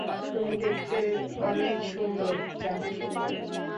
তুমি দেখতে অনেক সুন্দর, জানো সেটা?